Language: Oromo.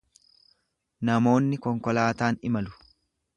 Namoonni konkolaataan imalu.